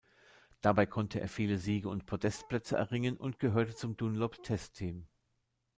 Dabei konnte er viele Siege und Podestplätze erringen und gehörte zum Dunlop-Testteam.